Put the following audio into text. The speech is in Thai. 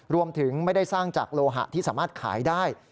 รวมถึงไม่ได้สร้างจากโลหะที่สามารถขายได้